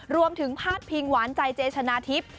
รวมถึงพาดพิงหวานใจเจชนาทิพย์